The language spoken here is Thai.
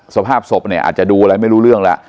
สภาพศพเนี่ยอาจจะดูอะไรไม่รู้เรื่องแล้ว